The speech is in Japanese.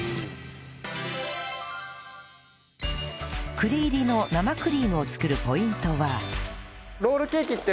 栗入りの生クリームを作るポイントは